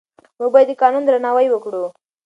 موږ باید د قانون درناوی وکړو.